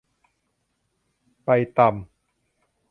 ไปตำ